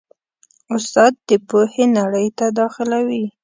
استاد د پوهې نړۍ ته داخلوي.